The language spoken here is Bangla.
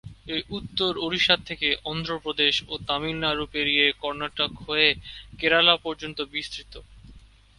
এটি উত্তর ওড়িশা থেকে অন্ধ্রপ্রদেশ ও তামিলনাড়ু পেরিয়ে কর্ণাটক হয়ে কেরালা পর্যন্ত বিস্তৃত।